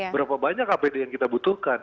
berapa banyak apd yang kita butuhkan